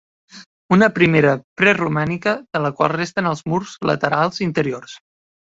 Una primera, preromànica, de la qual resten els murs laterals interiors.